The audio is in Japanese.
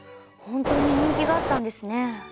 ほんとに人気があったんですね。